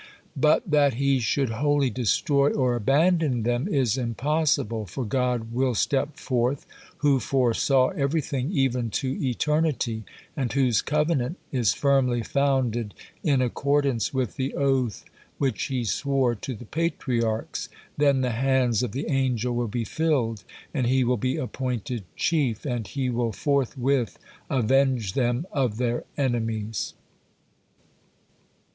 But that He should wholly destroy or abandon them is impossible, for God will step forth, who foresaw everything even to eternity, and whose covenant is firmly founded, in accordance with the oath which He swore to the Patriarchs. Then the hands of the angel will be filled and he will be appointed chief, and he will forthwith avenge them of their enemies."